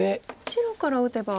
白から打てば。